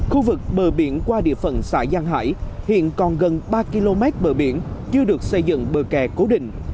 khu vực bờ biển qua địa phận xã giang hải hiện còn gần ba km bờ biển chưa được xây dựng bờ kè cố định